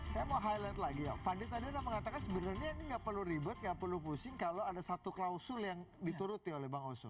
saya mau highlight lagi ya fadli tadi udah mengatakan sebenarnya ini nggak perlu ribet nggak perlu pusing kalau ada satu klausul yang dituruti oleh bang oso